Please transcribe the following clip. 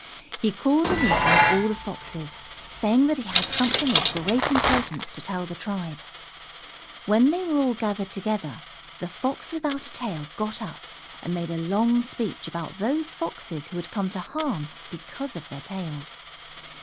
He called a meeting of all the Foxes, saying that he had something of great importance to tell the tribe. When they were all gathered together, the Fox Without a Tail got up and made a long speech about those Foxes who had come to harm because of their tails.